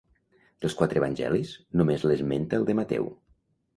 Dels quatre evangelis, només l'esmenta el de Mateu.